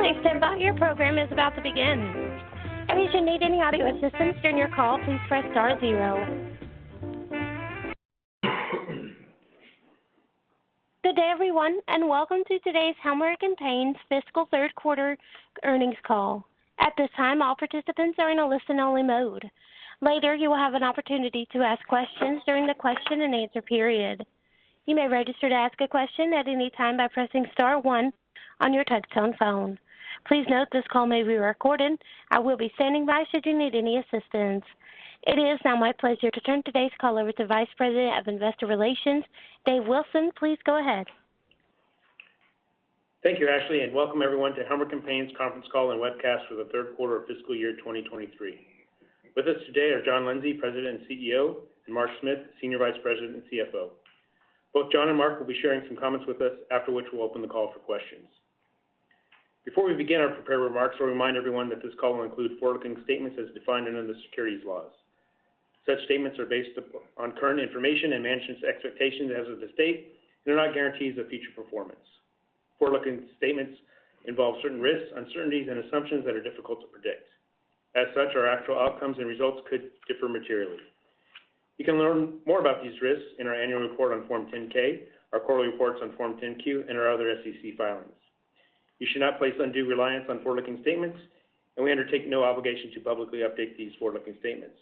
Please stand by, your program is about to begin. If you should need any audio assistance during your call, please press star zero. Good day, everyone, welcome to today's Helmerich & Payne's fiscal third quarter earnings call. At this time, all participants are in a listen-only mode. Later, you will have an opportunity to ask questions during the question-and-answer period. You may register to ask a question at any time by pressing star one on your touchtone phone. Please note, this call may be recorded. I will be standing by should you need any assistance. It is now my pleasure to turn today's call over to Vice President of Investor Relations, Dave Wilson. Please go ahead. Thank you, Ashley. Welcome everyone to Helmerich & Payne's conference call and webcast for the third quarter of fiscal year 2023. With us today are John Lindsay, President and CEO, and Mark Smith, Senior Vice President and CFO. Both John and Mark will be sharing some comments with us, after which we'll open the call for questions. Before we begin our prepared remarks, we'll remind everyone that this call will include forward-looking statements as defined under the securities laws. Such statements are based upon current information and management's expectations as of this date. They're not guarantees of future performance. Forward-looking statements involve certain risks, uncertainties, and assumptions that are difficult to predict. As such, our actual outcomes and results could differ materially. You can learn more about these risks in our annual report on Form 10-K, our quarterly reports on Form 10-Q, and our other SEC filings. You should not place undue reliance on forward-looking statements. We undertake no obligation to publicly update these forward-looking statements.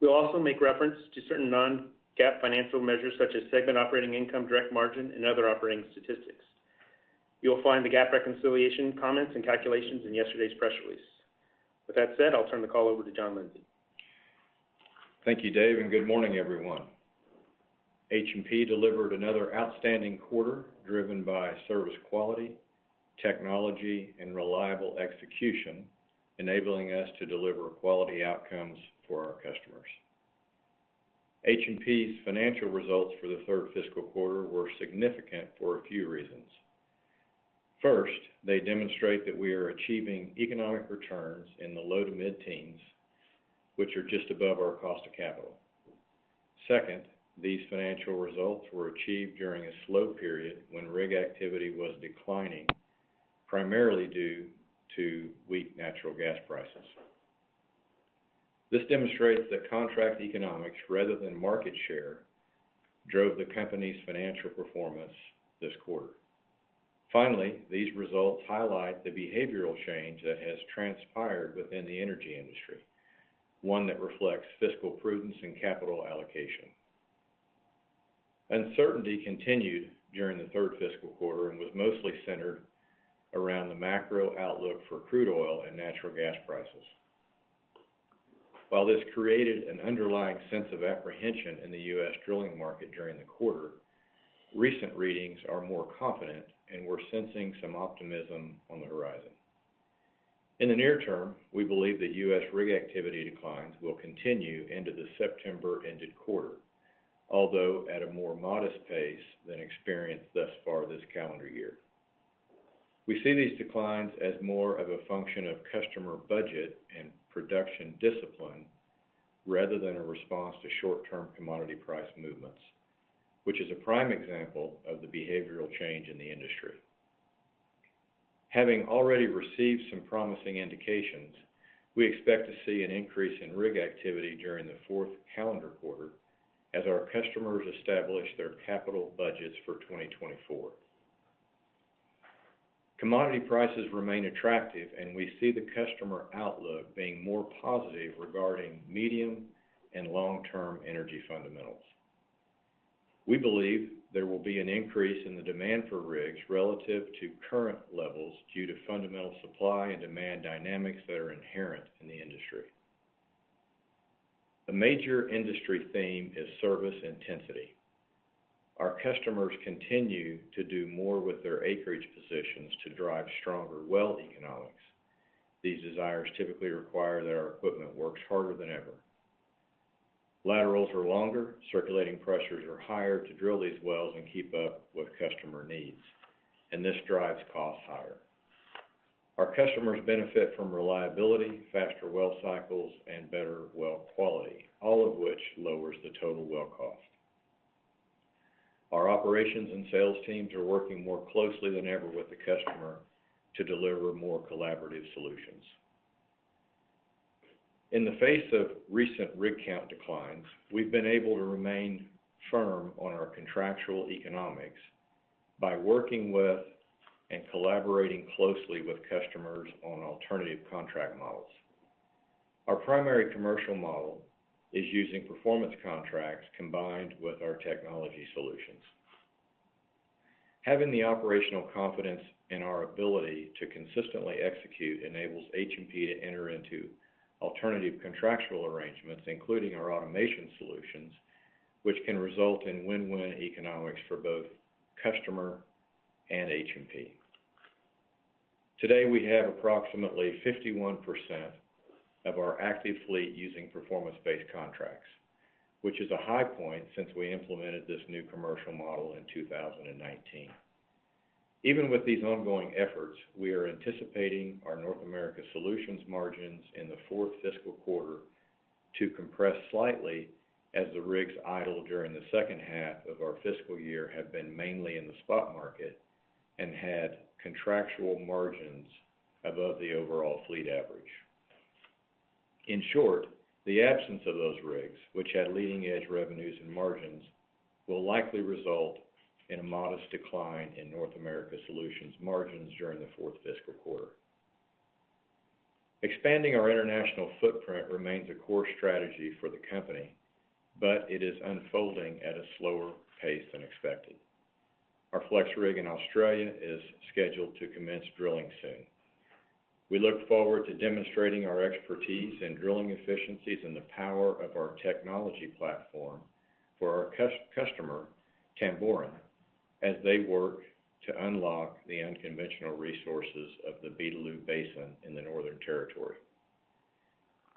We'll also make reference to certain non-GAAP financial measures, such as segment operating income, direct margin, and other operating statistics. You'll find the GAAP reconciliation comments and calculations in yesterday's press release. With that said, I'll turn the call over to John Lindsay. Thank you, Dave, and good morning, everyone. H&P delivered another outstanding quarter driven by service quality, technology, and reliable execution, enabling us to deliver quality outcomes for our customers. H&P's financial results for the third fiscal quarter were significant for a few reasons. First, they demonstrate that we are achieving economic returns in the low to mid-teens, which are just above our cost of capital. Second, these financial results were achieved during a slow period when rig activity was declining, primarily due to weak natural gas prices. This demonstrates that contract economics, rather than market share, drove the company's financial performance this quarter. Finally, these results highlight the behavioral change that has transpired within the energy industry, one that reflects fiscal prudence and capital allocation. Uncertainty continued during the third fiscal quarter and was mostly centered around the macro outlook for crude oil and natural gas prices. While this created an underlying sense of apprehension in the U.S. drilling market during the quarter, recent readings are more confident, and we're sensing some optimism on the horizon. In the near-term, we believe that U.S. rig activity declines will continue into the September-ended quarter, although at a more modest pace than experienced thus far this calendar year. We see these declines as more of a function of customer budget and production discipline rather than a response to short-term commodity price movements, which is a prime example of the behavioral change in the industry. Having already received some promising indications, we expect to see an increase in rig activity during the fourth calendar quarter as our customers establish their capital budgets for 2024. Commodity prices remain attractive, and we see the customer outlook being more positive regarding medium and long-term energy fundamentals. We believe there will be an increase in the demand for rigs relative to current levels due to fundamental supply and demand dynamics that are inherent in the industry. A major industry theme is service intensity. Our customers continue to do more with their acreage positions to drive stronger well economics. These desires typically require that our equipment works harder than ever. Laterals are longer, circulating pressures are higher to drill these wells and keep up with customer needs. This drives costs higher. Our customers benefit from reliability, faster well cycles, and better well quality, all of which lowers the total well cost. Our operations and sales teams are working more closely than ever with the customer to deliver more collaborative solutions. In the face of recent rig count declines, we've been able to remain firm on our contractual economics by working with and collaborating closely with customers on alternative contract models. Our primary commercial model is using performance contracts combined with our technology solutions. Having the operational confidence in our ability to consistently execute enables H&P to enter into alternative contractual arrangements, including our automation solutions, which can result in win-win economics for both customer and H&P. Today, we have approximately 51% of our active fleet using performance-based contracts, which is a high point since we implemented this new commercial model in 2019. Even with these ongoing efforts, we are anticipating our North America Solutions margins in the fourth fiscal quarter... to compress slightly as the rigs idled during the second half of our fiscal year have been mainly in the spot market and had contractual margins above the overall fleet average. In short, the absence of those rigs, which had leading-edge revenues and margins, will likely result in a modest decline in North America Solutions margins during the fourth fiscal quarter. Expanding our international footprint remains a core strategy for the company, but it is unfolding at a slower pace than expected. Our FlexRig in Australia is scheduled to commence drilling soon. We look forward to demonstrating our expertise in drilling efficiencies and the power of our technology platform for our customer, Tamboran, as they work to unlock the unconventional resources of the Beetaloo Basin in the Northern Territory.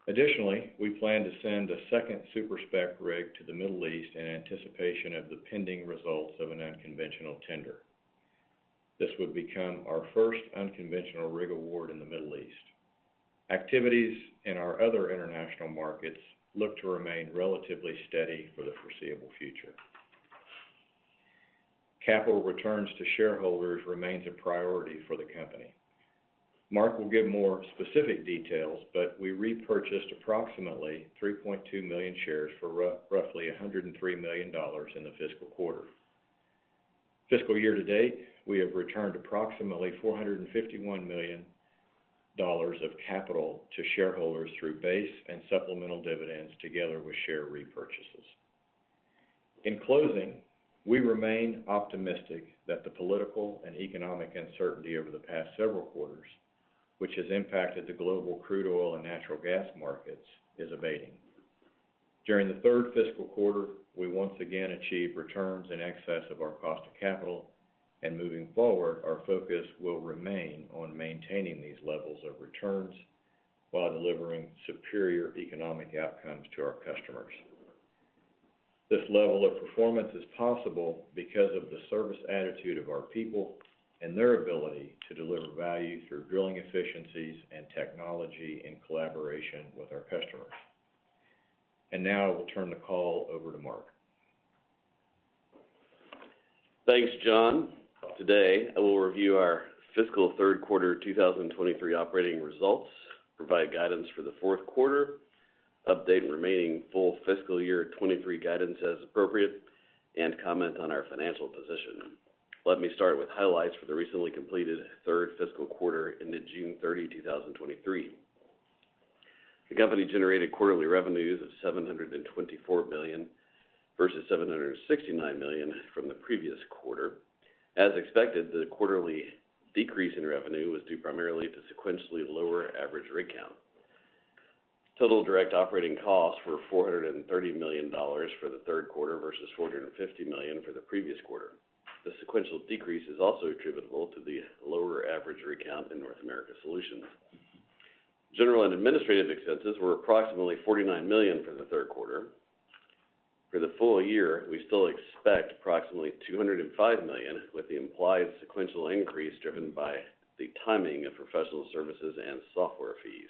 Additionally, we plan to send a second super-spec rig to the Middle East in anticipation of the pending results of an unconventional tender. This would become our first unconventional rig award in the Middle East. Activities in our other international markets look to remain relatively steady for the foreseeable future. Capital returns to shareholders remains a priority for the company. Mark will give more specific details, but we repurchased approximately 3.2 million shares for roughly $103 million in the fiscal quarter. Fiscal year to date, we have returned approximately $451 million of capital to shareholders through base and supplemental dividends, together with share repurchases. In closing, we remain optimistic that the political and economic uncertainty over the past several quarters, which has impacted the global crude oil and natural gas markets, is abating. During the third fiscal quarter, we once again achieved returns in excess of our cost of capital, and moving forward, our focus will remain on maintaining these levels of returns while delivering superior economic outcomes to our customers. This level of performance is possible because of the service attitude of our people and their ability to deliver value through drilling efficiencies and technology in collaboration with our customers. Now I will turn the call over to Mark. Thanks, John. Today, I will review our fiscal third quarter 2023 operating results, provide guidance for the fourth quarter, update remaining full fiscal year 2023 guidance as appropriate, and comment on our financial position. Let me start with highlights for the recently completed third fiscal quarter ended June 30, 2023. The company generated quarterly revenues of $724 million, versus $769 million from the previous quarter. As expected, the quarterly decrease in revenue was due primarily to sequentially lower average rig count. Total direct operating costs were $430 million for the third quarter versus $450 million for the previous quarter. The sequential decrease is also attributable to the lower average rig count in North America Solutions. General and administrative expenses were approximately $49 million for the third quarter. For the full year, we still expect approximately $205 million, with the implied sequential increase driven by the timing of professional services and software fees.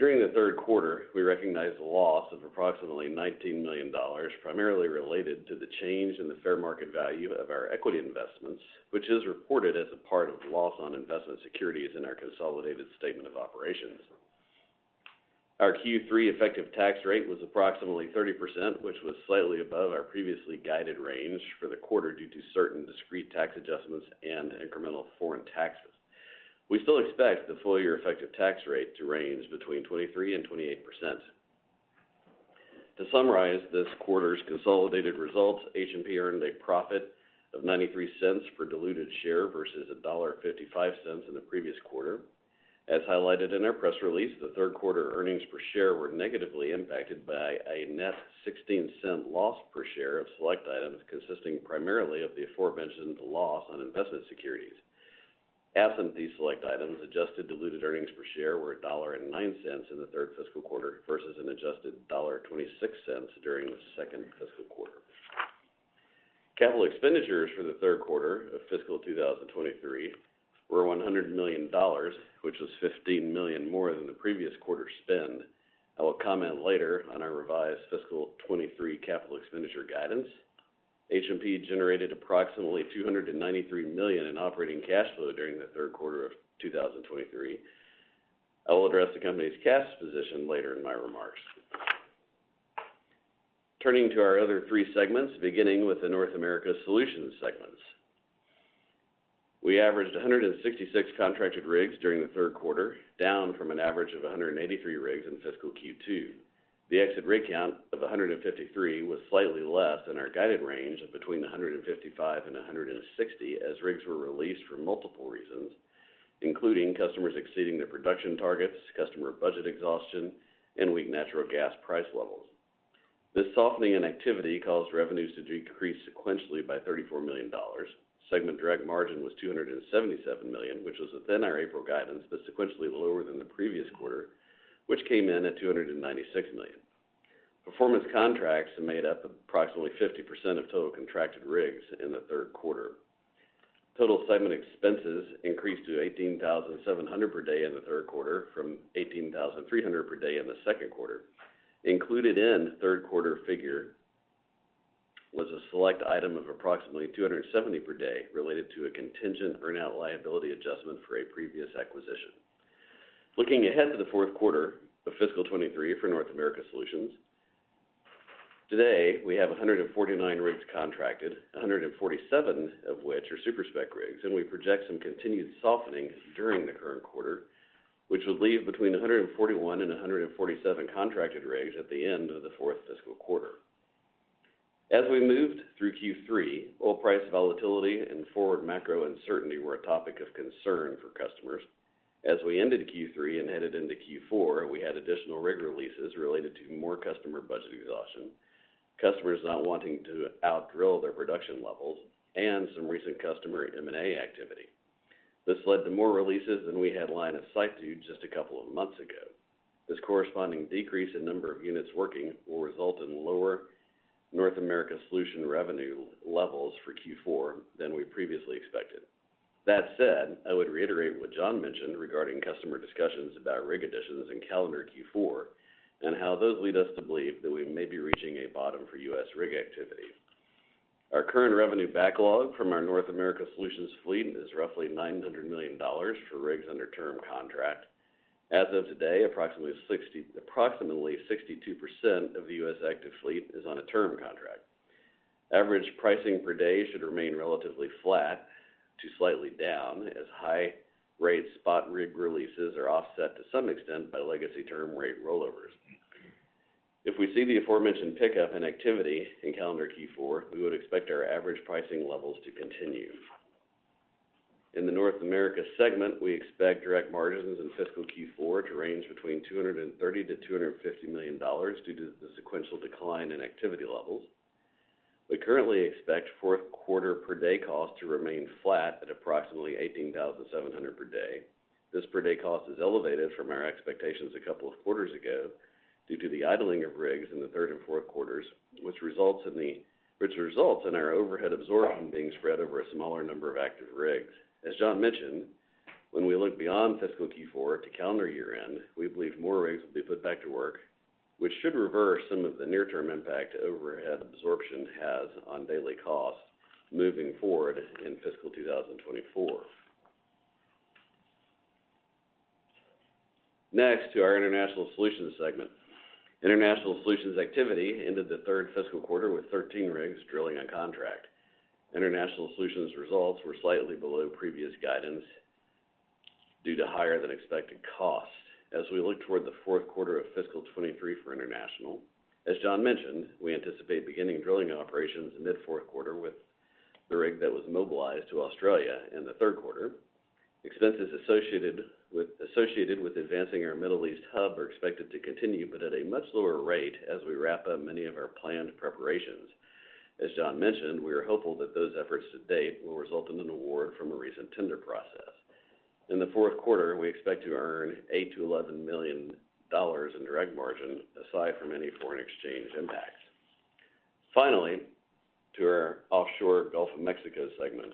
During the third quarter, we recognized a loss of approximately $19 million, primarily related to the change in the fair market value of our equity investments, which is reported as a part of the loss on investment securities in our consolidated statement of operations. Our Q3 effective tax rate was approximately 30%, which was slightly above our previously guided range for the quarter due to certain discrete tax adjustments and incremental foreign taxes. We still expect the full year effective tax rate to range between 23%-28%. To summarize this quarter's consolidated results, H&P earned a profit of $0.93 per diluted share versus $1.55 in the previous quarter. As highlighted in our press release, the third quarter earnings per share were negatively impacted by a net $0.16 loss per share of select items, consisting primarily of the aforementioned loss on investment securities. Absent these select items, adjusted diluted earnings per share were $1.09 in the third fiscal quarter versus an adjusted $1.26 during the second fiscal quarter. Capital expenditures for the third quarter of fiscal 2023 were $100 million, which was $15 million more than the previous quarter's spend. I will comment later on our revised fiscal 2023 capital expenditure guidance. H&P generated approximately $293 million in operating cash flow during the third quarter of 2023. I will address the company's cash position later in my remarks. Turning to our other three segments, beginning with the North America Solutions segments. We averaged 166 contracted rigs during the third quarter, down from an average of 183 rigs in fiscal Q2. The exit rig count of 153 was slightly less than our guided range of between 155 and 160, as rigs were released for multiple reasons, including customers exceeding their production targets, customer budget exhaustion, and weak natural gas price levels. This softening in activity caused revenues to decrease sequentially by $34 million. Segment direct margin was $277 million, which was within our April guidance, but sequentially lower than the previous quarter, which came in at $296 million. Performance contracts made up approximately 50% of total contracted rigs in the third quarter. Total segment expenses increased to $18,700 per day in the third quarter from $18,300 per day in the second quarter. Included in the third quarter figure was a select item of approximately $270 per day, related to a contingent earn-out liability adjustment for a previous acquisition. Looking ahead to the fourth quarter of fiscal 2023 for North America Solutions, today, we have 149 rigs contracted, 147 of which are super-spec rigs, and we project some continued softening during the current quarter, which would leave between 141 and 147 contracted rigs at the end of the fourth fiscal quarter. As we moved through Q3, oil price volatility and forward macro uncertainty were a topic of concern for customers. As we ended Q3 and headed into Q4, we had additional rig releases related to more customer budget exhaustion, customers not wanting to outdrill their production levels, and some recent customer M&A activity. This led to more releases than we had line of sight to just a couple of months ago. This corresponding decrease in number of units working will result in lower North America Solutions revenue levels for Q4 than we previously expected. That said, I would reiterate what John mentioned regarding customer discussions about rig additions in calendar Q4, and how those lead us to believe that we may be reaching a bottom for U.S. rig activity. Our current revenue backlog from our North America Solutions fleet is roughly $900 million for rigs under term contract. As of today, approximately 62% of the U.S. active fleet is on a term contract. Average pricing per day should remain relatively flat to slightly down, as high rate spot rig releases are offset to some extent by legacy term rate rollovers. If we see the aforementioned pickup in activity in calendar Q4, we would expect our average pricing levels to continue. In the North America segment, we expect direct margins in fiscal Q4 to range between $230 million-$250 million due to the sequential decline in activity levels. We currently expect fourth quarter per-day cost to remain flat at approximately $18,700 per day. This per-day cost is elevated from our expectations a couple of quarters ago due to the idling of rigs in the third and fourth quarters, which results in our overhead absorption being spread over a smaller number of active rigs. As John mentioned, when we look beyond fiscal Q4 to calendar year-end, we believe more rigs will be put back to work, which should reverse some of the near-term impact overhead absorption has on daily costs moving forward in fiscal 2024. Next to our International Solutions segment. International Solutions activity ended the third fiscal quarter with 13 rigs drilling on contract. International Solutions results were slightly below previous guidance due to higher-than-expected costs. As we look toward the fourth quarter of fiscal 2023 for International, as John mentioned, we anticipate beginning drilling operations in mid-fourth quarter with the rig that was mobilized to Australia in the third quarter. Expenses associated with advancing our Middle East hub are expected to continue, but at a much lower rate as we wrap up many of our planned preparations. As John mentioned, we are hopeful that those efforts to date will result in an award from a recent tender process. In the fourth quarter, we expect to earn $8 million-$11 million in direct margin, aside from any foreign exchange impacts. Finally, to our offshore Gulf of Mexico segment.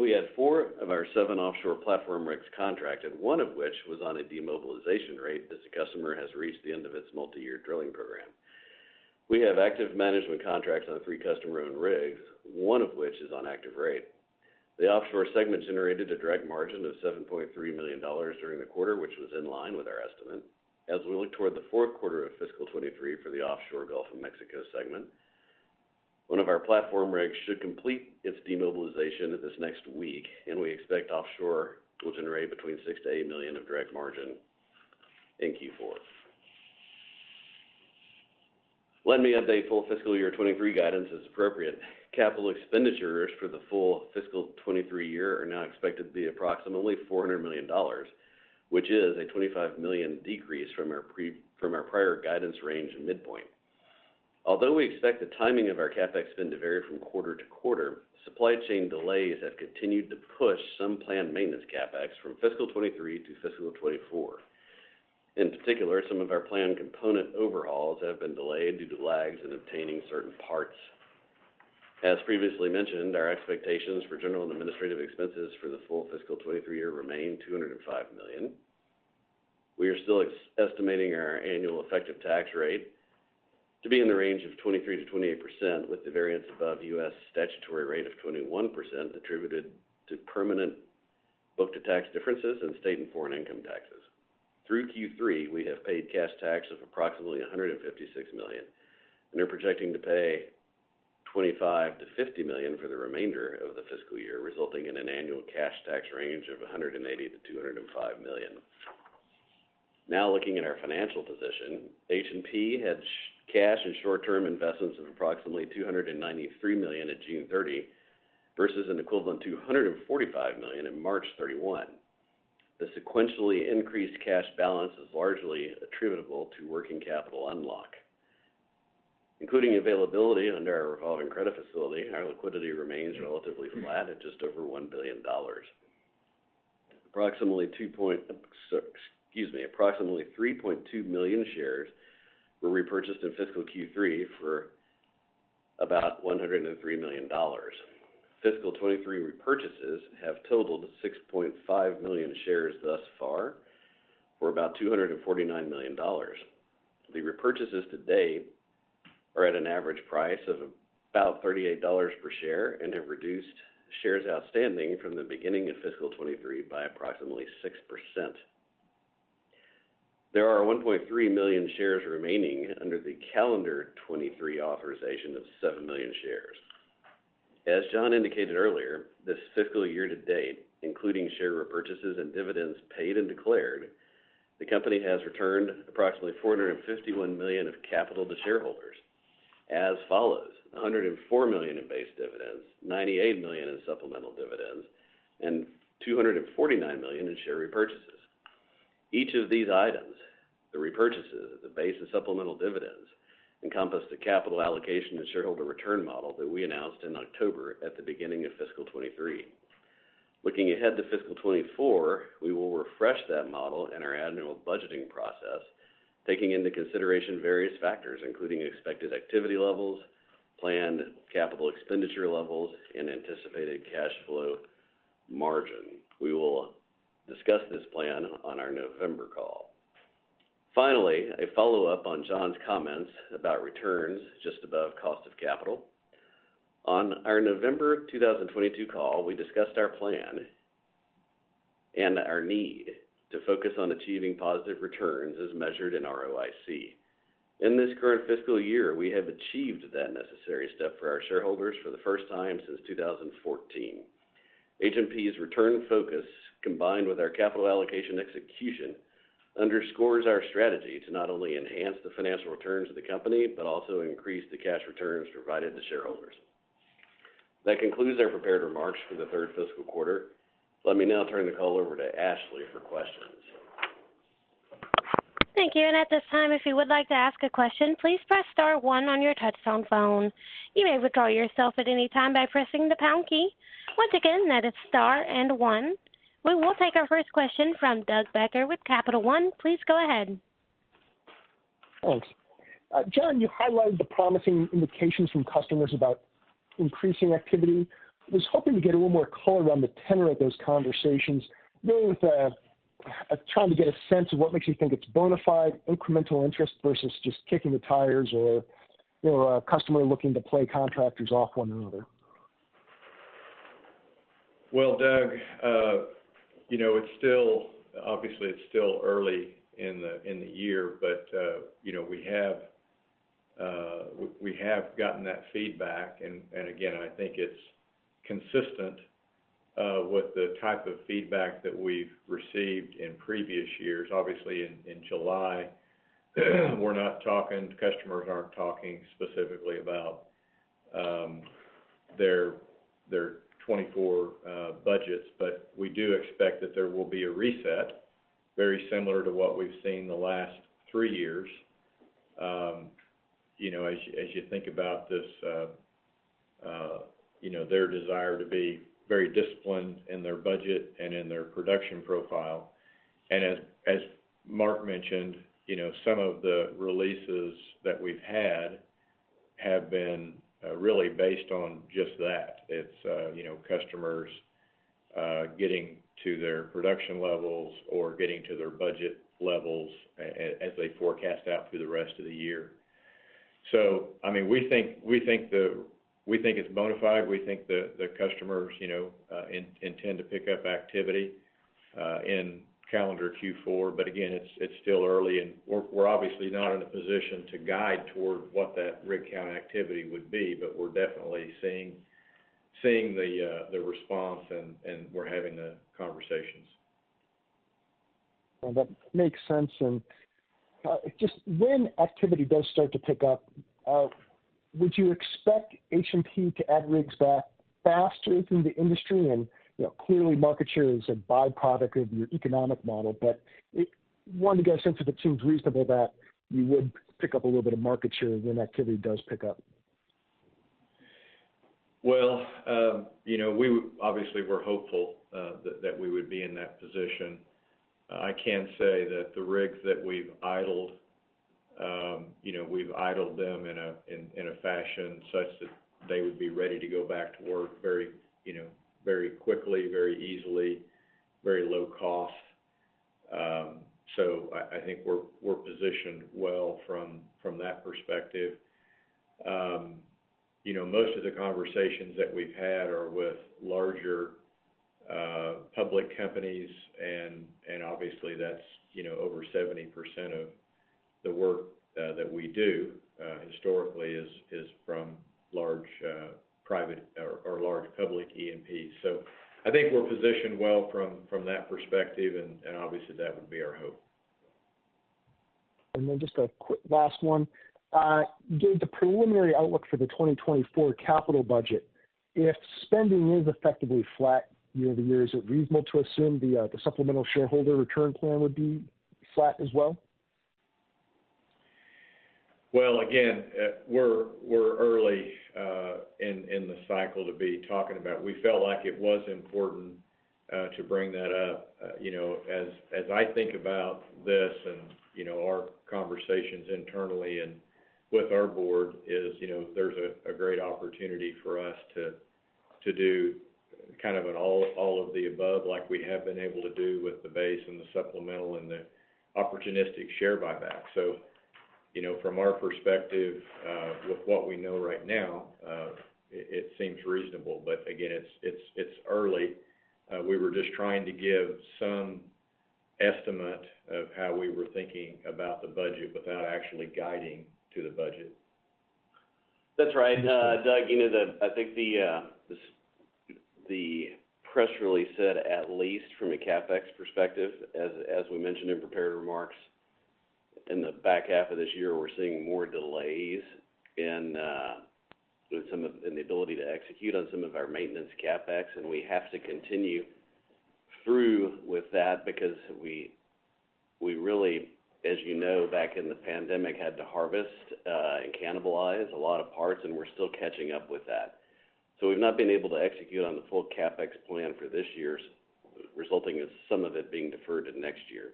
We had four of our seven offshore platform rigs contracted, one of which was on a demobilization rate, as the customer has reached the end of its multi-year drilling program. We have active management contracts on the three customer-owned rigs, one of which is on active rate. The offshore segment generated a direct margin of $7.3 million during the quarter, which was in line with our estimate. We look toward the fourth quarter of fiscal 2023 for the offshore Gulf of Mexico segment, one of our platform rigs should complete its demobilization this next week, and we expect offshore will generate between $6 million-$8 million of direct margin in Q4. Let me update full fiscal year 2023 guidance as appropriate. Capital expenditures for the full fiscal 2023 year are now expected to be approximately $400 million, which is a $25 million decrease from our prior guidance range and midpoint. Although we expect the timing of our CapEx spend to vary from quarter to quarter, supply chain delays have continued to push some planned maintenance CapEx from fiscal 2023 to fiscal 2024. In particular, some of our planned component overhauls have been delayed due to lags in obtaining certain parts. As previously mentioned, our expectations for general and administrative expenses for the full fiscal 2023 year remain $205 million. We are still estimating our annual effective tax rate to be in the range of 23%-28%, with the variance above U.S. statutory rate of 21% attributed to permanent book to tax differences in state and foreign income taxes. Through Q3, we have paid cash tax of approximately $156 million, and are projecting to pay $25 million-$50 million for the remainder of the fiscal year, resulting in an annual cash tax range of $180 million-$205 million. Looking at our financial position, H&P had cash and short-term investments of approximately $293 million at June 30, versus an equivalent to $145 million in March 31. The sequentially increased cash balance is largely attributable to working capital unlock. Including availability under our revolving credit facility, our liquidity remains relatively flat at just over $1 billion. Approximately 3.2 million shares were repurchased in fiscal Q3 for about $103 million. Fiscal 2023 repurchases have totaled 6.5 million shares thus far, for about $249 million. The repurchases to date are at an average price of about $38 per share and have reduced shares outstanding from the beginning of fiscal 2023 by approximately 6%. There are 1.3 million shares remaining under the calendar 2023 authorization of 7 million shares. As John indicated earlier, this fiscal year to date, including share repurchases and dividends paid and declared, the company has returned approximately $451 million of capital to shareholders as follows: $104 million in base dividends, $98 million in supplemental dividends, and $249 million in share repurchases. Each of these items, the repurchases, the base of supplemental dividends, encompass the capital allocation and shareholder return model that we announced in October at the beginning of fiscal 2023. Looking ahead to fiscal 2024, we will refresh that model in our annual budgeting process, taking into consideration various factors, including expected activity levels, planned capital expenditure levels, and anticipated cash flow margin. We will discuss this plan on our November call. Finally, a follow-up on John's comments about returns just above cost of capital. On our November 2022 call, we discussed our plan and our need to focus on achieving positive returns as measured in ROIC. In this current fiscal year, we have achieved that necessary step for our shareholders for the first time since 2014. H&P's return focus, combined with our capital allocation execution, underscores our strategy to not only enhance the financial returns of the company, but also increase the cash returns provided to shareholders. That concludes our prepared remarks for the third fiscal quarter. Let me now turn the call over to Ashley for questions. Thank you. At this time, if you would like to ask a question, please press star one on your touchtone phone. You may withdraw yourself at any time by pressing the pound key. Once again, that is star and one. We will take our first question from Doug Becker with Capital One. Please go ahead. Thanks. John, you highlighted the promising indications from customers about increasing activity. I was hoping to get a little more color on the tenor of those conversations, maybe with trying to get a sense of what makes you think it's bona fide, incremental interest versus just kicking the tires or, you know, a customer looking to play contractors off one another. Well, Doug, you know, Obviously, it's still early in the year, you know, we have gotten that feedback. Again, I think it's consistent with the type of feedback that we've received in previous years. Obviously, in July, we're not talking, customers aren't talking specifically about their 2024 budgets. We do expect that there will be a reset, very similar to what we've seen the last three years. You know, as you think about this, you know, their desire to be very disciplined in their budget and in their production profile. As Mark mentioned, you know, some of the releases that we've had, have been really based on just that. It's, you know, customers, getting to their production levels or getting to their budget levels as they forecast out through the rest of the year. I mean, we think it's bona fide. We think the customers, you know, intend to pick up activity in calendar Q4. Again, it's, it's still early, and we're, we're obviously not in a position to guide toward what that rig count activity would be, but we're definitely seeing the response and we're having the conversations. Well, that makes sense. Just when activity does start to pick up, would you expect H&P to add rigs back faster than the industry? You know, clearly, market share is a by-product of your economic model. Wanted to get a sense if it seems reasonable that you would pick up a little bit of market share when activity does pick up. Well, you know, we obviously were hopeful that we would be in that position. I can say that the rigs that we've idled, you know, we've idled them in a fashion such that they would be ready to go back to work very, you know, very quickly, very easily, very low cost. I think we're positioned well from that perspective. You know, most of the conversations that we've had are with larger public companies, and obviously, that's, you know, over 70% of the work that we do historically is from large private or large public E&Ps. I think we're positioned well from that perspective, and obviously, that would be our hope. Just a quick last one. Given the preliminary outlook for the 2024 capital budget, if spending is effectively flat year-over-year, is it reasonable to assume the supplemental shareholder return plan would be flat as well? Well, again, we're early in the cycle to be talking about. We felt like it was important to bring that up. you know, as I think about this and, you know, our conversations internally and with our board is, you know, there's a great opportunity for us to do kind of an all of the above, like we have been able to do with the base and the supplemental and the opportunistic share buyback. You know, from our perspective, with what we know right now, it seems reasonable. Again, it's early. We were just trying to give some estimate of how we were thinking about the budget without actually guiding to the budget. That's right, Doug, you know, I think the press release said, at least from a CapEx perspective, as we mentioned in prepared remarks, in the back half of this year, we're seeing more delays in the ability to execute on some of our maintenance CapEx, and we have to continue through with that because we really, as you know, back in the pandemic, had to harvest and cannibalize a lot of parts, and we're still catching up with that. We've not been able to execute on the full CapEx plan for this year, resulting in some of it being deferred to next year.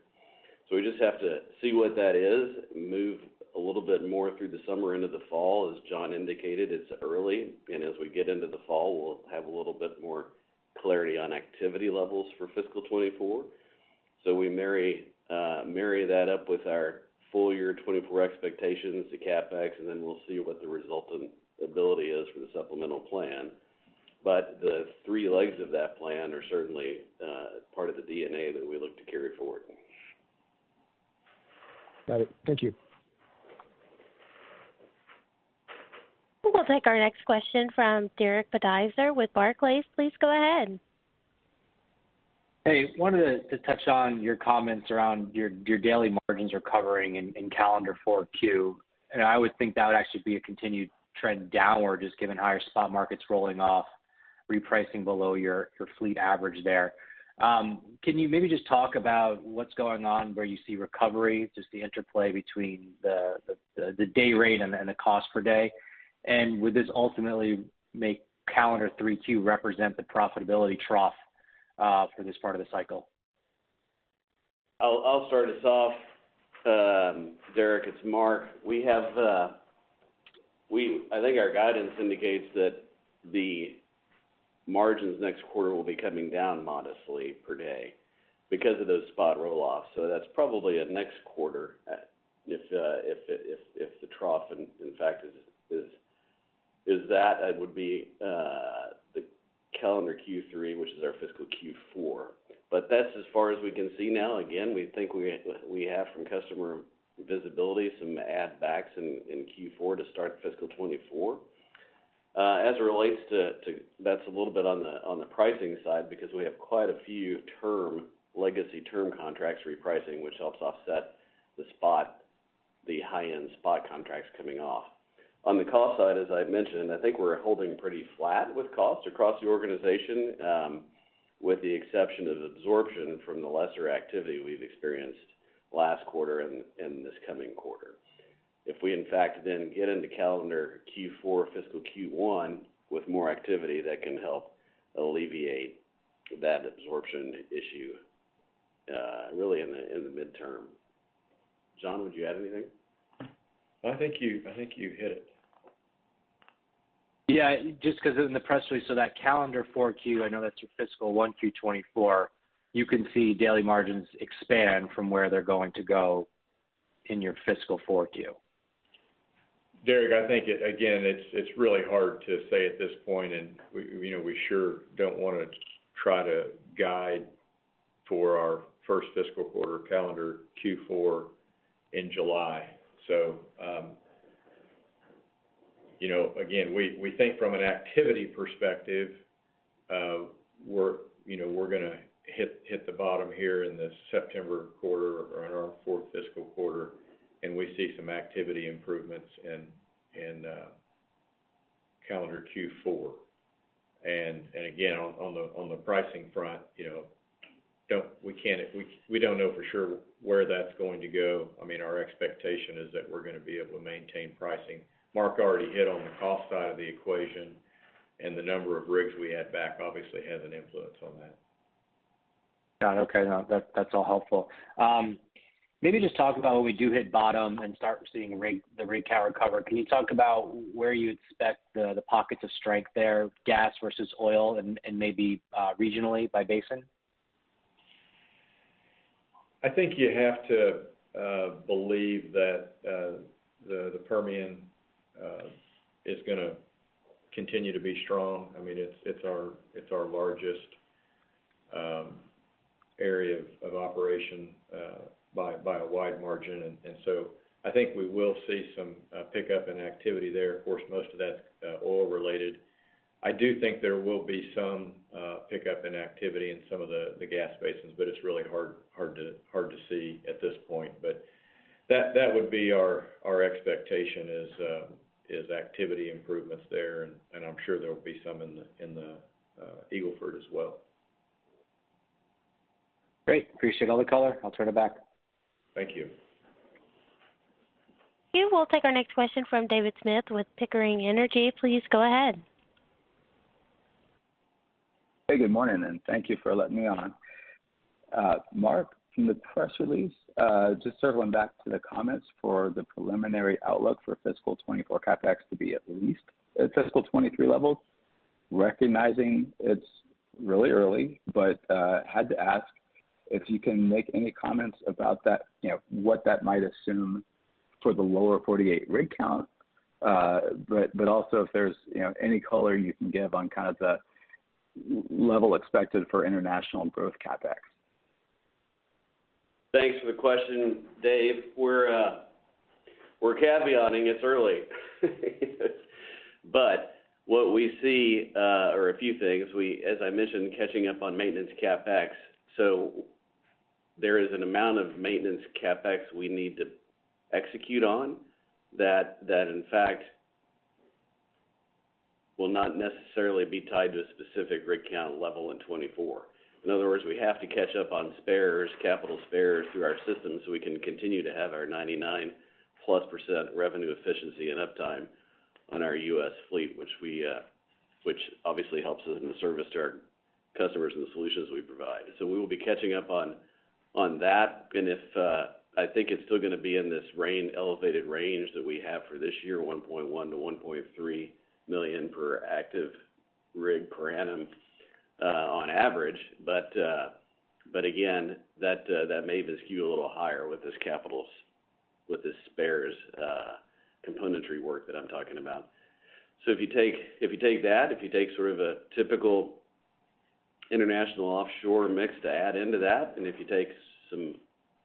We just have to see what that is, move a little bit more through the summer into the fall. As John indicated, it's early, and as we get into the fall, we'll have a little bit more clarity on activity levels for fiscal 2024. We marry that up with our full year 2024 expectations to CapEx, and then we'll see what the resultant ability is for the supplemental plan. The three legs of that plan are certainly, part of the DNA that we look to carry forward. Got it. Thank you. We'll take our next question from Derek Podhaizer with Barclays. Please go ahead. Hey, wanted to touch on your comments around your daily margins recovering in calendar 4Q. I would think that would actually be a continued trend downward, just given higher spot markets rolling off, repricing below your fleet average there. Can you maybe just talk about what's going on, where you see recovery, just the interplay between the dayrate and then the cost per day? Would this ultimately make calendar 3Q represent the profitability trough for this part of the cycle? I'll start us off, Derek, it's Mark. We have, I think our guidance indicates that the margins next quarter will be coming down modestly per day because of those spot roll-offs. That's probably a next quarter, if in fact the trough is that, it would be the calendar Q3, which is our fiscal Q4. That's as far as we can see now. Again, we think we have from customer visibility, some add backs in Q4 to start fiscal 2024. That's a little bit on the pricing side, because we have quite a few legacy term contracts repricing, which helps offset the spot, the high-end spot contracts coming off. On the cost side, as I've mentioned, I think we're holding pretty flat with costs across the organization, with the exception of absorption from the lesser activity we've experienced last quarter and this coming quarter. If we, in fact, then get into calendar Q4, fiscal Q1 with more activity, that can help alleviate that absorption issue, really in the midterm. John, would you add anything? I think you hit it. Yeah, just because in the press release, so that calendar 4Q, I know that's your fiscal 1Q through 2024, you can see daily margins expand from where they're going to go in your fiscal 4Q. Derek, I think, again, it's really hard to say at this point. We, you know, we sure don't want to try to guide for our first fiscal quarter, calendar Q4, in July. You know, again, we think from an activity perspective, we're, you know, we're gonna hit the bottom here in the September quarter or in our fourth fiscal quarter, and we see some activity improvements in calendar Q4. Again, on the pricing front, you know, we can't, we don't know for sure where that's going to go. I mean, our expectation is that we're gonna be able to maintain pricing. Mark already hit on the cost side of the equation, and the number of rigs we add back obviously has an influence on that. Got it. Okay, no, that, that's all helpful. Maybe just talk about when we do hit bottom and start seeing the rig count recover. Can you talk about where you expect the pockets of strength there, gas versus oil, and maybe regionally by basin? I think you have to believe that the Permian is gonna continue to be strong. I mean, it's our largest area of operation by a wide margin. I think we will see some pickup in activity there. Of course, most of that's oil-related. I do think there will be some pickup in activity in some of the gas basins, but it's really hard to see at this point. That would be our expectation, is activity improvements there, and I'm sure there will be some in the Eagle Ford as well. Great. Appreciate all the color. I'll turn it back. Thank you. You will take our next question from David Smith with Pickering Energy. Please go ahead. Good morning, thank you for letting me on. Mark, from the press release, just circling back to the comments for the preliminary outlook for fiscal 2024 CapEx to be at least at fiscal 2023 level, recognizing it's really early, but had to ask if you can make any comments about that, you know, what that might assume for the lower 48 rig count? Also if there's, you know, any color you can give on kind of the level expected for international growth CapEx. Thanks for the question, Dave. We're caveating, it's early. What we see, or a few things, as I mentioned, catching up on maintenance CapEx. There is an amount of maintenance CapEx we need to execute on that, in fact, will not necessarily be tied to a specific rig count level in 2024. In other words, we have to catch up on spares, capital spares through our system, so we can continue to have our 99%+ revenue efficiency and uptime on our U.S. fleet, which obviously helps us in the service to our customers and the solutions we provide. We will be catching up on that. If I think it's still gonna be in this range, elevated range that we have for this year, $1.1 million-$1.3 million per active rig per annum on average. Again, that may skew a little higher with this capitals, with the spares, componentry work that I'm talking about. If you take that, if you take sort of a typical international offshore mix to add into that, if you take some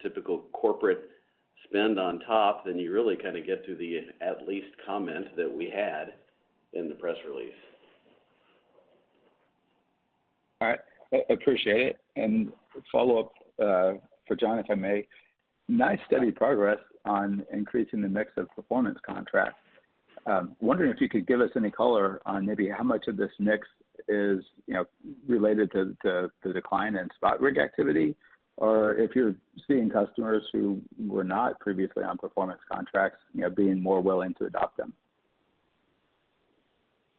typical corporate spend on top, you really kind of get to the, at least, comment that we had in the press release. All right. I appreciate it. Follow up for John, if I may. Nice, steady progress on increasing the mix of performance contracts. Wondering if you could give us any color on maybe how much of this mix is, you know, related to the decline in spot rig activity, or if you're seeing customers who were not previously on performance contracts, you know, being more willing to adopt them?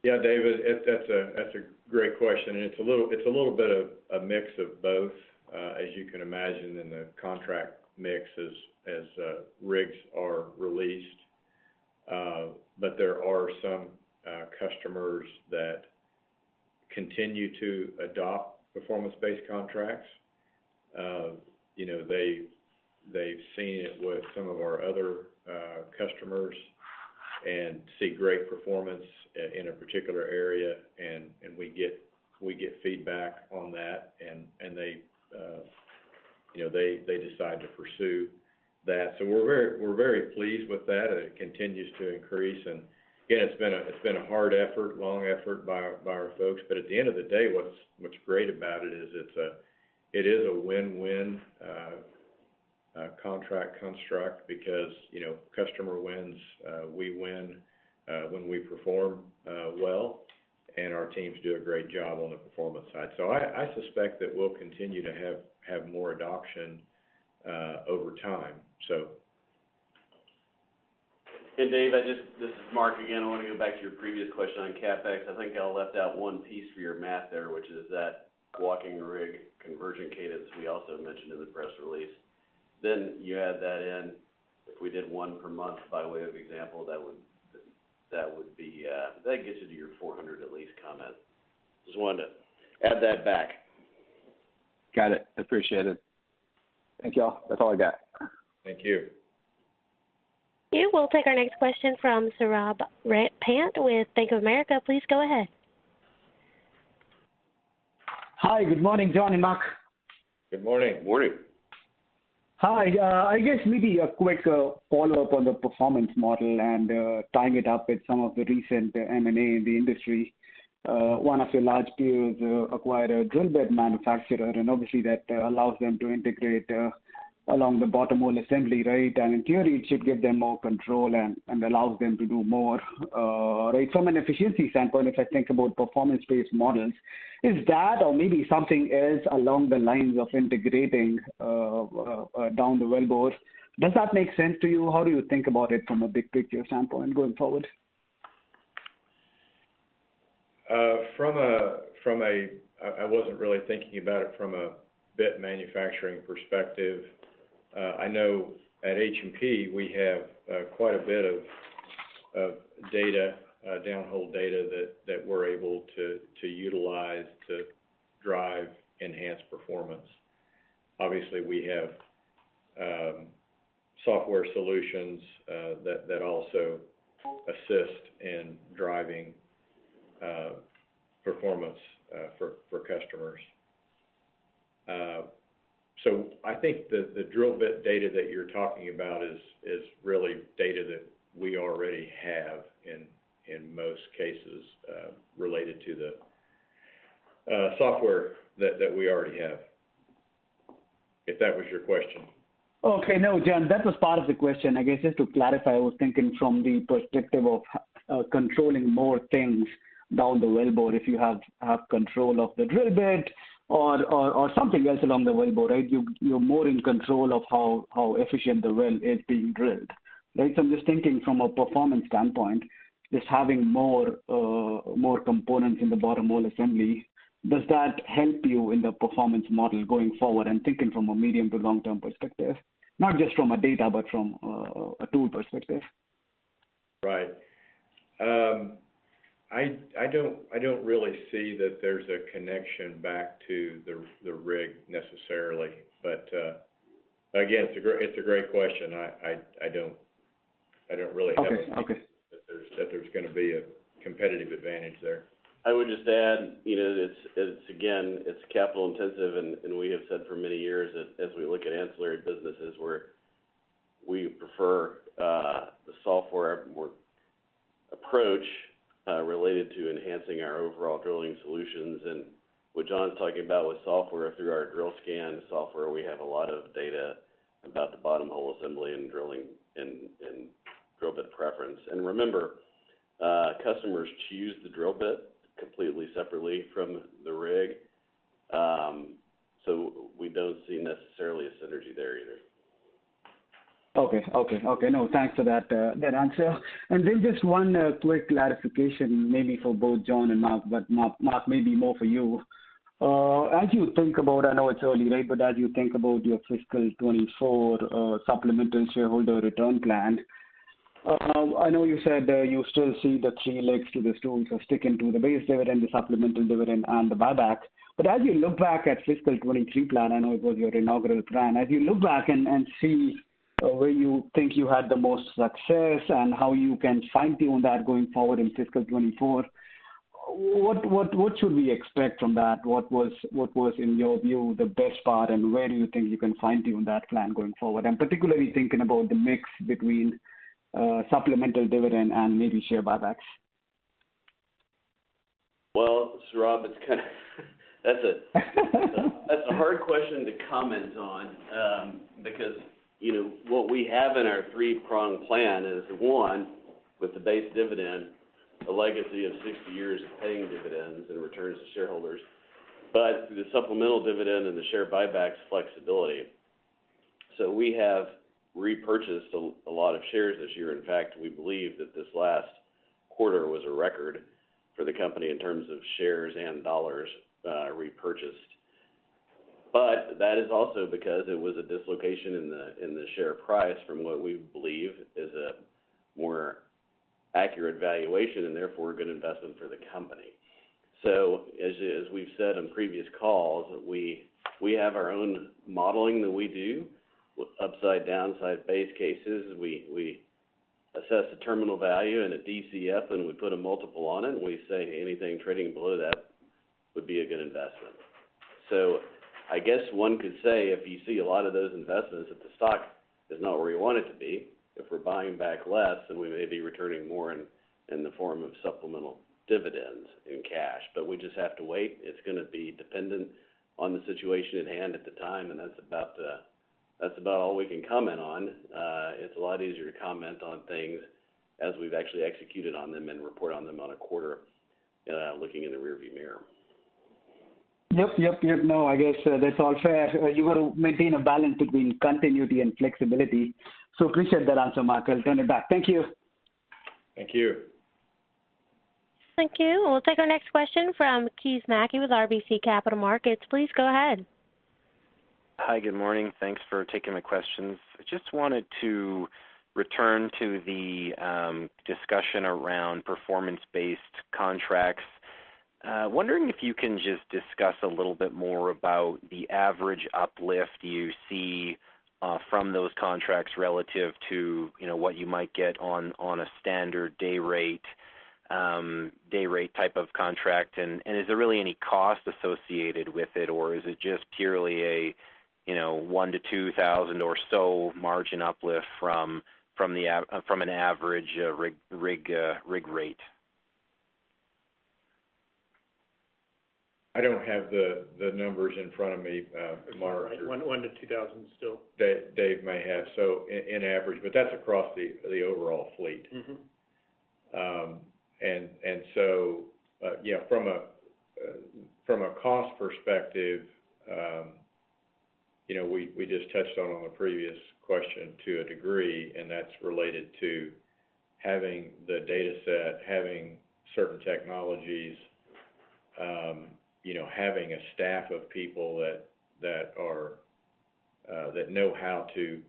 Yeah, David, that's a great question, and it's a little bit of a mix of both. As you can imagine in the contract mix as rigs are released. There are some customers that continue to adopt performance-based contracts. You know, they've seen it with some of our other customers and see great performance in a particular area, and we get feedback on that, and they, you know, they decide to pursue that. We're very pleased with that, and it continues to increase. Again, it's been a hard effort, long effort by our folks. At the end of the day, what's great about it is, it is a win-win contract construct because, you know, customer wins, we win when we perform well, and our teams do a great job on the performance side. I suspect that we'll continue to have more adoption over time. Dave, I just-- this is Mark again. I want to go back to your previous question on CapEx. I think I left out one piece for your math there, which is that walking rig conversion cadence we also mentioned in the press release. You add that in. If we did one per month, by way of example, that would be... That gets you to your 400, at least, comment. Just wanted to add that back. Got it. Appreciate it. Thank you all. That's all I got. Thank you. You will take our next question from Saurabh Pant with Bank of America. Please go ahead. Hi, good morning, John and Mark. Good morning. Morning. Hi, I guess maybe a quick follow-up on the performance model and tying it up with some of the recent M&A in the industry. One of your large peers acquired a drill bit manufacturer, and obviously that allows them to integrate along the bottom-hole assembly, right? In theory, it should give them more control and allows them to do more, right? From an efficiency standpoint, if I think about performance-based models, is that or maybe something else along the lines of integrating down the wellbore, does that make sense to you? How do you think about it from a big picture standpoint going forward? I wasn't really thinking about it from a bit manufacturing perspective. I know at H&P, we have quite a bit of data, downhole data that we're able to utilize to drive enhanced performance. Obviously, we have software solutions that also assist in driving performance for customers. So I think the drill bit data that you're talking about is really data that we already have in most cases, related to the software that we already have, if that was your question? Okay. No, John, that was part of the question. I guess, just to clarify, I was thinking from the perspective of controlling more things down the wellbore. If you have control of the drill bit or, or something else along the wellbore, right? You're more in control of how efficient the well is being drilled, right? I'm just thinking from a performance standpoint, does having more components in the bottom-hole assembly, does that help you in the performance model going forward? Thinking from a medium to long-term perspective, not just from a dayrate, but from a tool perspective. Right. I don't really see that there's a connection back to the rig necessarily. Again, it's a great question. I don't really have- Okay. Okay. that there's gonna be a competitive advantage there. I would just add, you know, it's, it's again, it's capital intensive, and we have said for many years that as we look at ancillary businesses, where we prefer the software more approach related to enhancing our overall drilling solutions. What John's talking about with software, through our DrillScan software, we have a lot of data about the bottom-hole assembly and drilling and drill bit preference. Remember, customers choose the drill bit completely separately from the rig. We don't see necessarily a synergy there either. Okay. Okay. Okay, no, thanks for that, that answer. Just one quick clarification, maybe for both John and Mark, but Mark, maybe more for you. As you think about I know it's early, right? As you think about your fiscal 2024 supplemental shareholder return plan, I know you said you still see the three legs to the stool, so sticking to the base dividend, the supplemental dividend, and the buyback. As you look back at fiscal 2023 plan, I know it was your inaugural plan. As you look back and see where you think you had the most success and how you can fine-tune that going forward in fiscal 2024, what should we expect from that? What was, in your view, the best part, and where do you think you can fine-tune that plan going forward? I'm particularly thinking about the mix between supplemental dividend and maybe share buybacks. Well, Saurabh, it's a hard question to comment on, because, you know, what we have in our three-pronged plan is, one, with the base dividend, a legacy of 60 years of paying dividends and returns to shareholders, but the supplemental dividend and the share buybacks, flexibility. We have repurchased a lot of shares this year. In fact, we believe that this last quarter was a record for the company in terms of shares and dollars repurchased. That is also because it was a dislocation in the share price from what we believe is a more accurate valuation and therefore a good investment for the company. As, as we've said on previous calls, we have our own modeling that we do with upside, downside, base cases. We assess the terminal value and a DCF, we put a multiple on it, we say anything trading below that would be a good investment. I guess one could say, if you see a lot of those investments, if the stock is not where you want it to be, if we're buying back less, then we may be returning more in the form of supplemental dividends in cash. We just have to wait. It's gonna be dependent on the situation at hand, at the time, and that's about all we can comment on. It's a lot easier to comment on things as we've actually executed on them and report on them on a quarter, looking in the rearview mirror. Yep, yep, yep. I guess, that's all fair. You want to maintain a balance between continuity and flexibility, so appreciate that answer, Mark. I'll turn it back. Thank you. Thank you. Thank you. We'll take our next question from Keith Mackey with RBC Capital Markets. Please go ahead. Hi, good morning. Thanks for taking the questions. I just wanted to return to the discussion around performance-based contracts. Wondering if you can just discuss a little bit more about the average uplift you see from those contracts relative to, you know, what you might get on a standard dayrate dayrate type of contract. Is there really any cost associated with it, or is it just purely a, you know, $1,000-$2,000 or so margin uplift from an average rig rate? I don't have the numbers in front of me, Mark. $1,000-$2,000 still. Dave may have, so in, in average, but that's across the, the overall fleet. Mm-hmm. Yeah, from a cost perspective, you know, we just touched on the previous question to a degree, and that's related to having the data set, having certain technologies, you know, having a staff of people that know how to,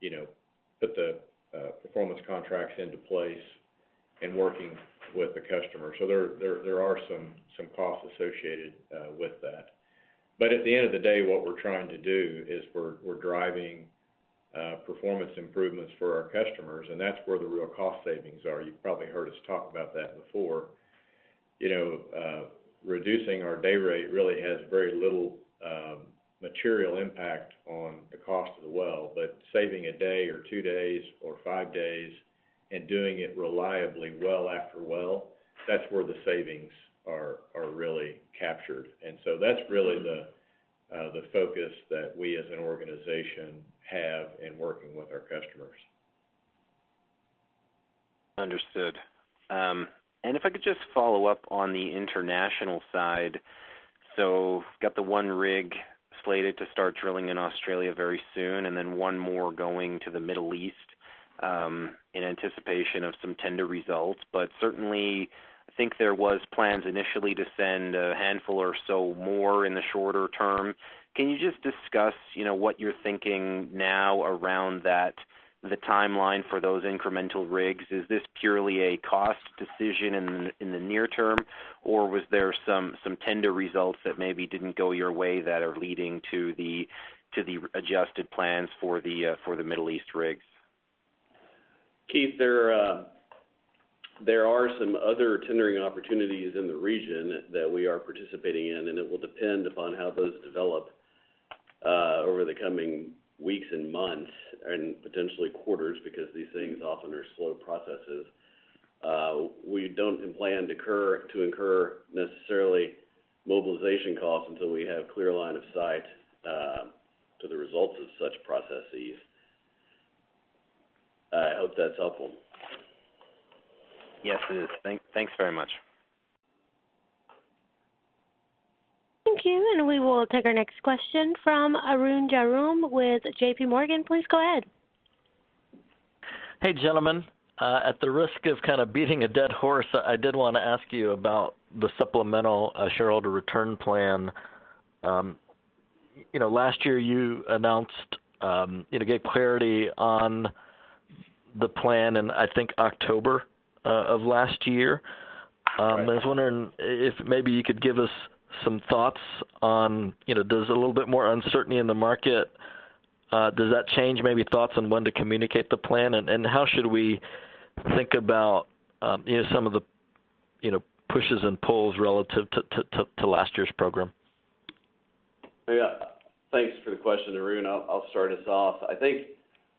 you know, put the performance contracts into place and working with the customer. There are some costs associated with that. At the end of the day, what we're trying to do is we're driving performance improvements for our customers, and that's where the real cost savings are. You've probably heard us talk about that before. You know, reducing our day rate really has very little material impact on the cost of the well. Saving a day or two days or five days-... and doing it reliably well after well, that's where the savings are really captured. That's really the focus that we as an organization have in working with our customers. Understood. If I could just follow up on the international side. Got the one rig slated to start drilling in Australia very soon, and then one more going to the Middle East, in anticipation of some tender results. Certainly, I think there was plans initially to send a handful or so more in the shorter term. Can you just discuss, you know, what you're thinking now around that, the timeline for those incremental rigs? Is this purely a cost decision in the near-term, or was there some tender results that maybe didn't go your way that are leading to the adjusted plans for the Middle East rigs? Keith, there are some other tendering opportunities in the region that we are participating in, it will depend upon how those develop over the coming weeks and months, potentially quarters, because these things often are slow processes. We don't plan to incur necessarily mobilization costs until we have clear line of sight to the results of such processes. I hope that's helpful. Yes, it is. Thanks very much. Thank you. We will take our next question from Arun Jayaram with JPMorgan. Please go ahead. Hey, gentlemen. At the risk of kind of beating a dead horse, I did want to ask you about the supplemental shareholder return plan. You know, last year you announced, you know, gave clarity on the plan in, I think, October of last year. I was wondering if maybe you could give us some thoughts on, you know, there's a little bit more uncertainty in the market? Does that change maybe thoughts on when to communicate the plan? How should we think about, you know, some of the, you know, pushes and pulls relative to last year's program? Yeah. Thanks for the question, Arun. I'll, I'll start us off. I think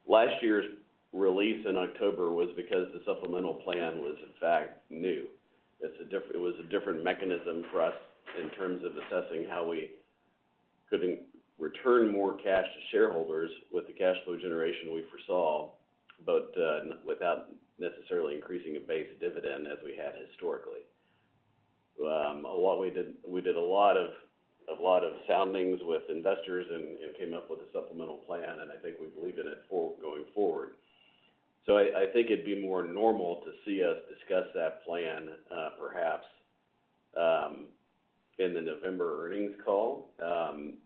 last year's release in October was because the supplemental plan was in fact, new. It was a different mechanism for us in terms of assessing how we could return more cash to shareholders with the cash flow generation we foresaw, but without necessarily increasing a base dividend as we had historically. A lot we did a lot of, a lot of soundings with investors and, and came up with a supplemental plan, and I think we believe in it going forward. I, I think it'd be more normal to see us discuss that plan, perhaps, in the November earnings call.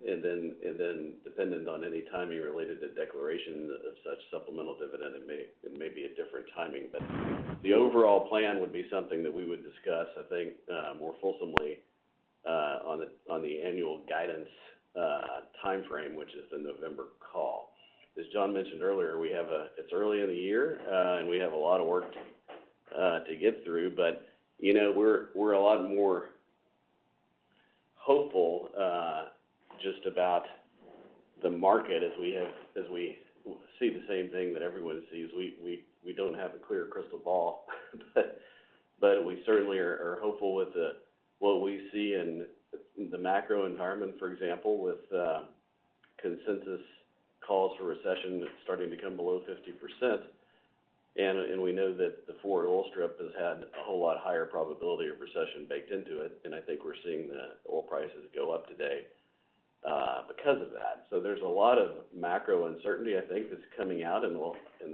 Then, and then dependent on any timing related to declaration of such supplemental dividend, it may, it may be a different timing. The overall plan would be something that we would discuss, I think, more fulsomely, on the annual guidance timeframe, which is the November call. As John mentioned earlier, it's early in the year, and we have a lot of work to get through, but, you know, we're a lot more hopeful just about the market as we see the same thing that everyone sees. We don't have a clear crystal ball, but we certainly are hopeful with what we see in the macro environment, for example, with consensus calls for recession, that's starting to come below 50%. We know that the forward oil strip has had a whole lot higher probability of recession baked into it, and I think we're seeing the oil prices go up today, because of that. There's a lot of macro uncertainty, I think, that's coming out, and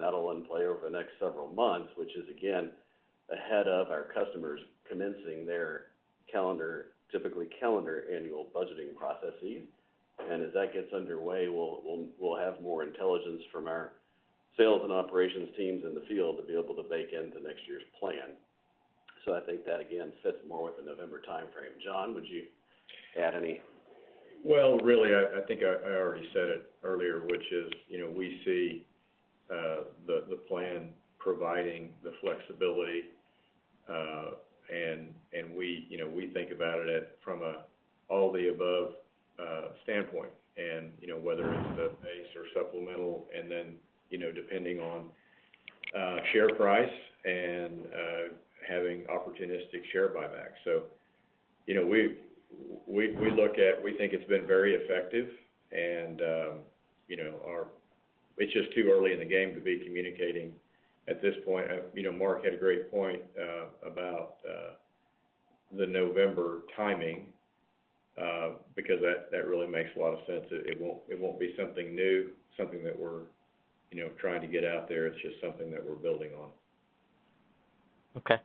that'll unplay over the next several months, which is, again, ahead of our customers commencing their calendar, typically calendar annual budgeting processes. As that gets underway, we'll have more intelligence from our sales and operations teams in the field to be able to bake into next year's plan. I think that, again, fits more with the November timeframe. John, would you add any? Well, really, I think I already said it earlier, which is, you know, we see the plan providing the flexibility, and we, you know, we think about it at, from a all the above standpoint. You know, whether it's the base or supplemental, and then, you know, depending on share price and having opportunistic share buybacks. You know, we look at. We think it's been very effective, and you know, it's just too early in the game to be communicating at this point. You know, Mark had a great point about the November timing because that really makes a lot of sense. It won't be something new, something that we're, you know, trying to get out there. It's just something that we're building on. Okay.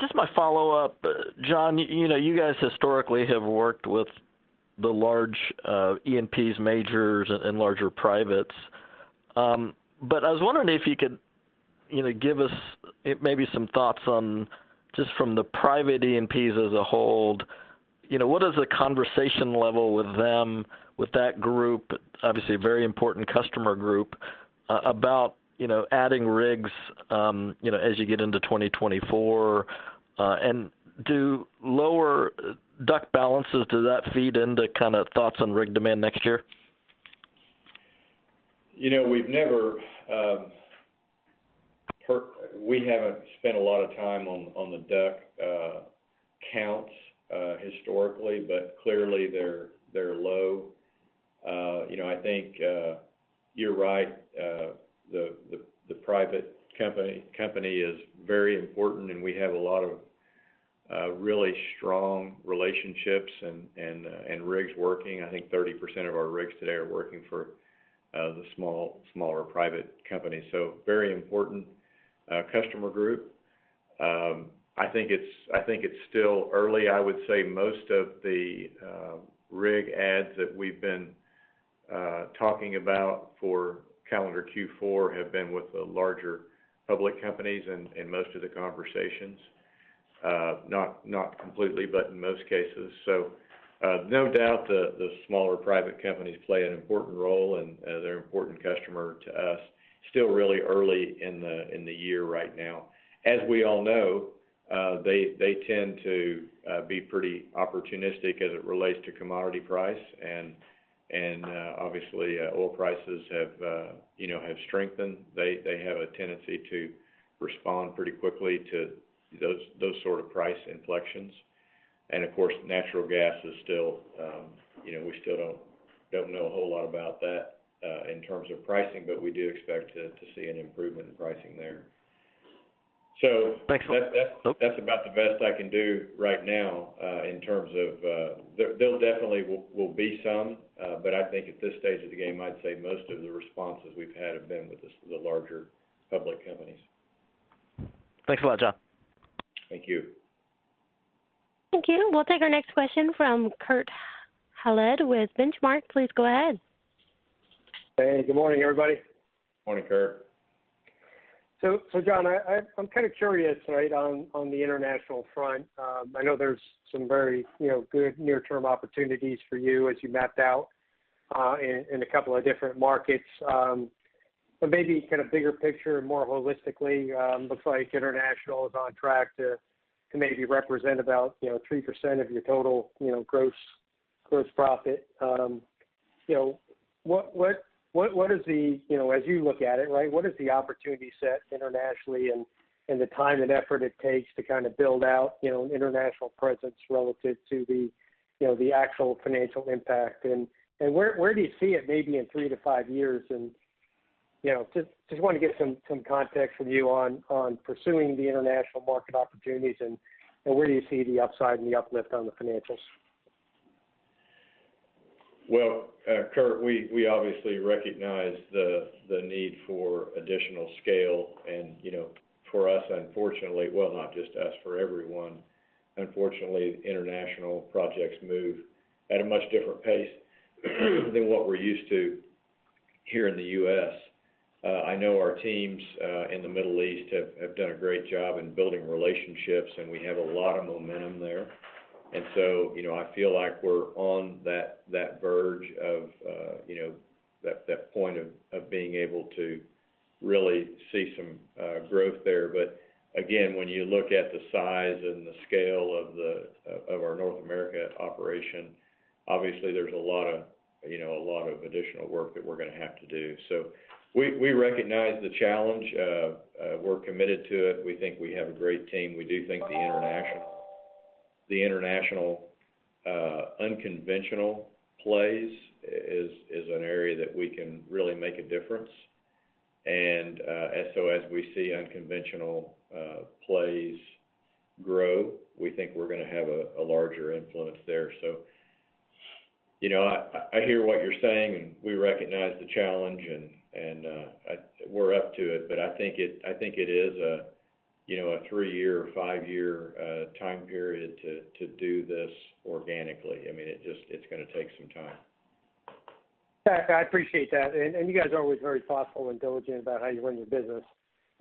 Just my follow-up. John, you know, you guys historically have worked with the large, E&Ps majors and larger privates. I was wondering if you could, you know, give us maybe some thoughts on, just from the private E&Ps as a whole, you know, what is the conversation level with them, with that group, obviously a very important customer group, about, you know, adding rigs, you know, as you get into 2024? Do lower DUC balances, does that feed into kind of thoughts on rig demand next year? You know, we've never, we haven't spent a lot of time on, on the DUC counts, historically, but clearly, they're low. You know, I think, you're right. The private company is very important, and we have a lot of really strong relationships and rigs working. I think 30% of our rigs today are working for the smaller private companies, so very important customer group. I think it's still early. I would say most of the rig ads that we've been talking about for calendar Q4 have been with the larger public companies and most of the conversations, not completely, but in most cases. No doubt, the smaller private companies play an important role, and they're an important customer to us. Still really early in the year right now. As we all know, they tend to be pretty opportunistic as it relates to commodity price, and obviously, oil prices have, you know, have strengthened. They have a tendency to respond pretty quickly to those sort of price inflections. Of course, natural gas is still, you know, we still don't know a whole lot about that in terms of pricing, but we do expect to see an improvement in pricing there. That's about the best I can do right now, in terms of. There'll definitely will be some, but I think at this stage of the game, I'd say most of the responses we've had have been with the larger public companies. Thanks a lot, John. Thank you. Thank you. We'll take our next question from Kurt Hallead with Benchmark. Please go ahead. Hey, good morning, everybody. Morning, Kurt. John, I'm kind of curious, right, on the international front. I know there's some very, you know, good near-term opportunities for you as you mapped out in a couple of different markets. Maybe kind of bigger picture, more holistically, looks like international is on track to maybe represent about, you know, 3% of your total, you know, gross profit. You know, as you look at it, right, what is the opportunity set internationally and the time and effort it takes to kind of build out, you know, an international presence relative to the, you know, the actual financial impact? Where do you see it maybe in three to five years? You know, just wanna get some context from you on pursuing the international market opportunities, and where do you see the upside and the uplift on the financials? Well, Kurt, we obviously recognize the need for additional scale. You know, for us, unfortunately, not just us, for everyone, unfortunately, international projects move at a much different pace than what we're used to here in the U.S. I know our teams in the Middle East have done a great job in building relationships, and we have a lot of momentum there. You know, I feel like we're on that verge of, you know, that point of being able to really see some growth there. Again, when you look at the size and the scale of the North America operation, obviously there's a lot of, you know, a lot of additional work that we're gonna have to do. We recognize the challenge. We're committed to it. We think we have a great team. We do think the international unconventional plays is an area that we can really make a difference. As we see unconventional plays grow, we think we're gonna have a larger influence there. You know, I hear what you're saying, and we recognize the challenge, and We're up to it, but I think it is a, you know, a three-year or five-year time period to do this organically. I mean, it just, it's gonna take some time. Yeah, I appreciate that. You guys are always very thoughtful and diligent about how you run your business.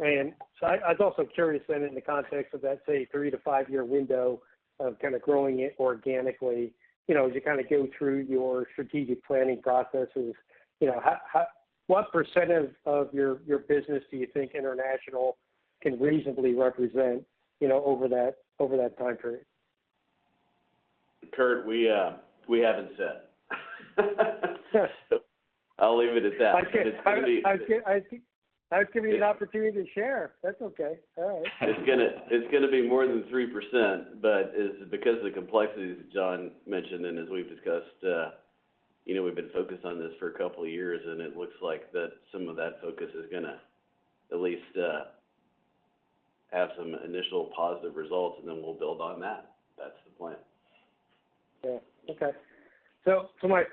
I was also curious then, in the context of that, say, three to five-year window of kind of growing it organically, you know, as you kind of go through your strategic planning processes, you know, what percentage of your business do you think international can reasonably represent, you know, over that, over that time period? Kurt, we, we haven't said. I'll leave it at that. I see, I see. I was giving you an opportunity to share. That's okay. All right. It's gonna be more than 3%, but it's because of the complexities that John mentioned. As we've discussed, you know, we've been focused on this for a couple of years. It looks like that some of that focus is gonna at least have some initial positive results. Then we'll build on that. That's the plan. Okay.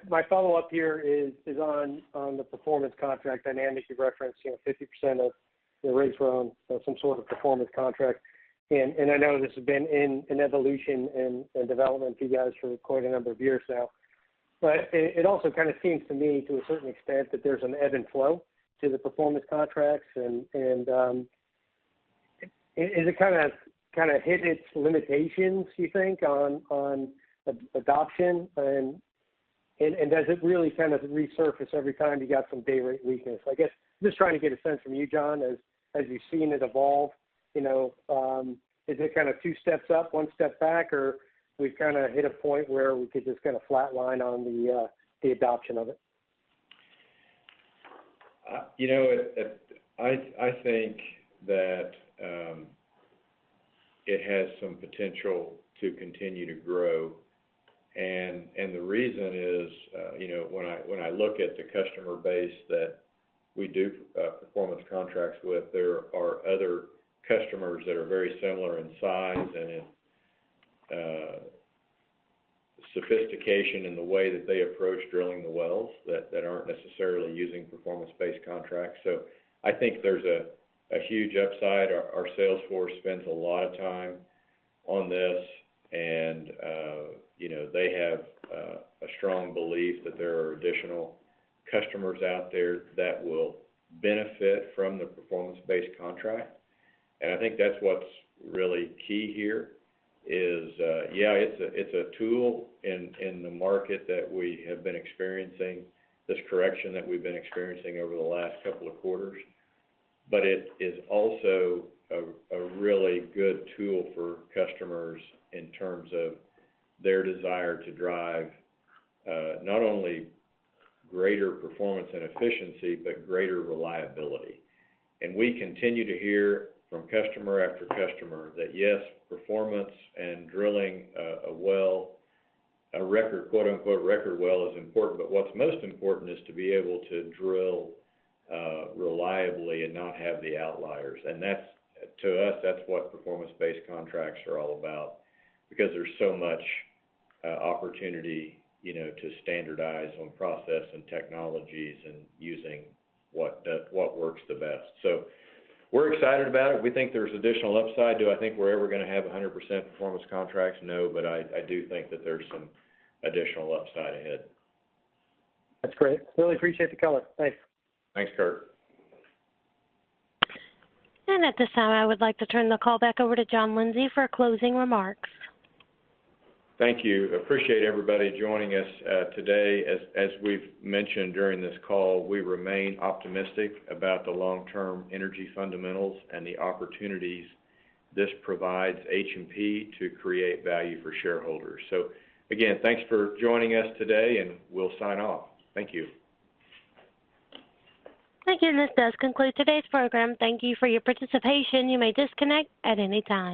My follow-up here is on the performance contract dynamic. You've referenced, you know, 50% of the rigs were on some sort of performance contract. I know this has been in evolution and development for you guys for quite a number of years now. It also kind of seems to me, to a certain extent, that there's an ebb and flow to the performance contracts. Is it kind of hit its limitations, you think, on adoption? Does it really kind of resurface every time you got some dayrate weakness? I guess I'm just trying to get a sense from you, John, as you've seen it evolve... you know, is it kind of two steps up, one step back? We've kind of hit a point where we could just kind of flatline on the adoption of it? You know, I think that it has some potential to continue to grow. The reason is, you know, when I look at the customer base that we do performance contracts with, there are other customers that are very similar in size and in sophistication in the way that they approach drilling the wells, that aren't necessarily using performance-based contracts. I think there's a huge upside. Our sales force spends a lot of time on this, and, you know, they have a strong belief that there are additional customers out there that will benefit from the performance-based contract. I think that's what's really key here, is, it's a tool in, in the market that we have been experiencing, this correction that we've been experiencing over the last couple of quarters. It is also a really good tool for customers in terms of their desire to drive, not only greater performance and efficiency, but greater reliability. We continue to hear from customer after customer that, yes, performance and drilling, a well, a record, quote-unquote, "record well" is important, but what's most important is to be able to drill reliably and not have the outliers. To us, that's what performance-based contracts are all about, because there's so much opportunity, you know, to standardize on process and technologies and using what works the best. We're excited about it. We think there's additional upside. Do I think we're ever gonna have 100% performance contracts? No, but I, I do think that there's some additional upside ahead. That's great. Really appreciate the color. Thanks. Thanks, Kurt. At this time, I would like to turn the call back over to John Lindsay for closing remarks. Thank you. Appreciate everybody joining us today. As we've mentioned during this call, we remain optimistic about the long-term energy fundamentals and the opportunities this provides H&P to create value for shareholders. Again, thanks for joining us today, and we'll sign off. Thank you. Thank you. This does conclude today's program. Thank you for your participation. You may disconnect at any time.